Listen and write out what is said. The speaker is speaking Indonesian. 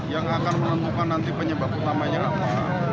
yang akan menentukan nanti penyebab utamanya apa